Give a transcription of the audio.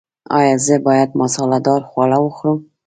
ایا زه باید مساله دار خواړه وخورم؟